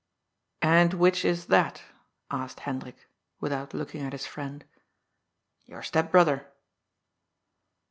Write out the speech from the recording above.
*'And which is that?" asked Hendrik, without looking at his friend. "Your step brother."